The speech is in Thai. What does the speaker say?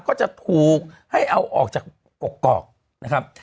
ก็จะถูกให้เอาออกจากกกอกนะครับ